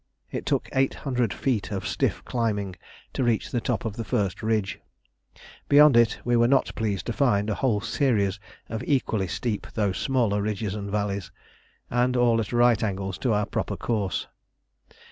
It took eight hundred feet of stiff climbing to reach the top of the first ridge. Beyond it we were not pleased to find a whole series of equally steep though smaller ridges and valleys, and all at right angles to our proper course.